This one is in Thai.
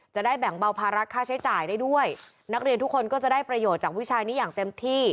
จะได้แบ่งเบาภาระค่าใช้จ่ายได้ด้วยนักเรียนทุกคนก็จะได้ประโยชน์จากวิชานี้อย่างเต็มที่